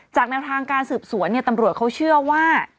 แนวทางการสืบสวนตำรวจเขาเชื่อว่า